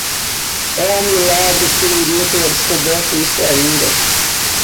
É um milagre que ninguém tenha descoberto isso ainda.